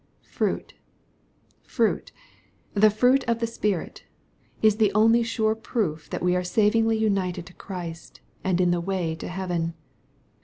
^ Fruit, fruit — the frjiit of the^ Spirit, is the only sure proof that we are savingly united to Christ, and in the way to heaven.